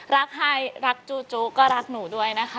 ให้รักจูจุก็รักหนูด้วยนะคะ